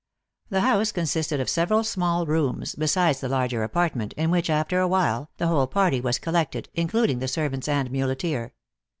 The house consisted of several small rooms, besides the larger apartment, in which, after a while, the whole party was collected, including the servants and muleteer.